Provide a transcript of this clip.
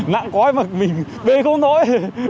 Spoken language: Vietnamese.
nạn khói mà mình bê không nổi